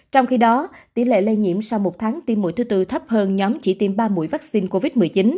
trong khi đó tỷ lệ lây nhiễm sau một tháng tiêm mũi thứ tư thấp hơn nhóm chỉ tiêm ba mũi vaccine covid một mươi chín